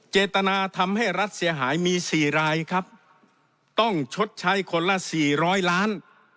เจตนาทำให้รัฐเสียหายมี๔รายครับต้องชดใช้คนละ๔๐๐ล้าน